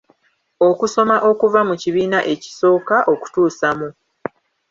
Okusoma okuva mu kibiina ekisooka okutuusa mu